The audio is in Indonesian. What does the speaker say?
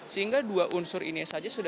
sehingga dua unsur ini saja sudah tidak terpenuhi